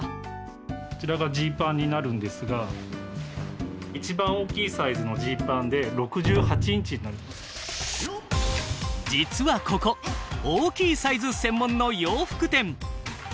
こちらがジーパンになるんですが一番大きいサイズのジーパンで実はここ大きいサイズ専門の洋服店。